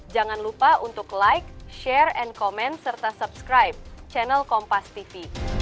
jangan lupa untuk like share and comment serta subscribe channel kompas tv